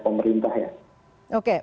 pemerintah ya oke